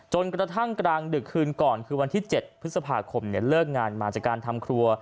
กระทั่งกลางดึกคืนก่อนคือวันที่๗พฤษภาคมเลิกงานมาจากการทำครัว